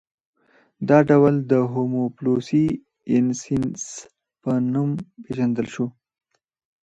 دا ډول د هومو فلورسي ینسیس په نوم پېژندل شو.